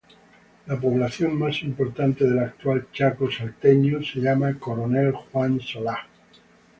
La población más importante del actual Chaco salteño se llama Coronel Juan Solá.